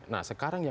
nah sekarang yang